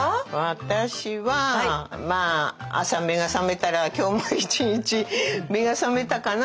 私はまあ朝目が覚めたら今日も一日目が覚めたかなぁと思って。